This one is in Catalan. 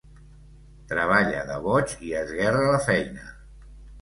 Treballa de boig i esguerra la feina.